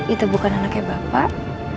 itu bukan anaknya bapak